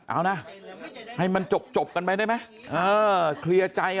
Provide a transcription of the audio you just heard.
เอานะให้มันจบกันไปได้ไหมเออเคลียร์ใจ